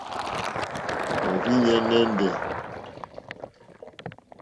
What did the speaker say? Òrzìɲɛ́ nɛ́ndɛ̀.